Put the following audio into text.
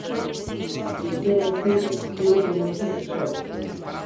O lecer nocturno debe permanecer fechado.